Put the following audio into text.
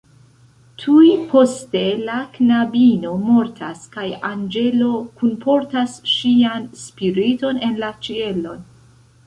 Tuj poste la knabino mortas kaj anĝelo kunportas ŝian spiriton en la ĉielon.